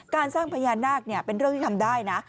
สร้างพญานาคเป็นเรื่องที่ทำได้นะ